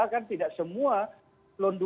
kan tidak semua selon dua